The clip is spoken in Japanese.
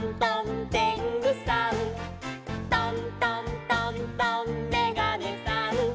「トントントントンめがねさん」